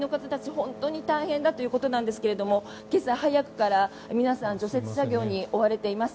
本当に大変だということですが今朝早くから、皆さん除雪作業に追われています。